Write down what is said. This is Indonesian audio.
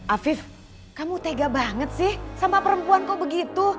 afif kamu tega banget sih sama perempuan kok begitu